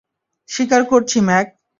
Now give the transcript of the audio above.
স্বীকার করছি, ম্যাক।